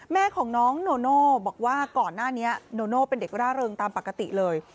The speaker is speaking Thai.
แม่ของน้องโนโน่บอกว่าก่อนหน้านี้โนโน่เป็นเด็กร่าเริงตามปกติเลย